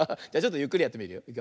じゃちょっとゆっくりやってみるよ。